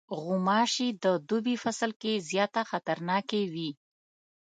غوماشې د دوبی فصل کې زیاته خطرناکې وي.